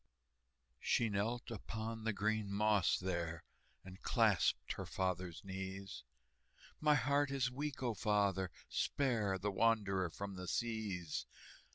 She knelt upon the green moss there, And clasped her father's knees: "My heart is weak, O father, spare The wanderer from the seas!"